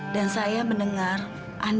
dan saya mendengar andara menjelaskanmu